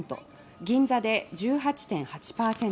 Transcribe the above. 銀座で１８．８％